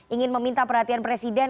ingin meminta perhatian presiden